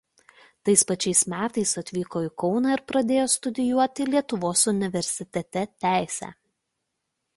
Tais pačiais metais atvyko į Kauną ir pradėjo studijuoti Lietuvos universitete teisę.